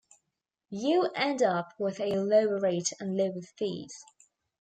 You end up with a lower rate and lower fees.